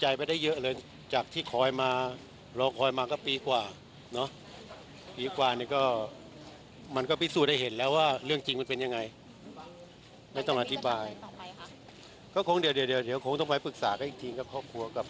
ที่เอาพยานหลักฐานมาเนี่ยนะครับ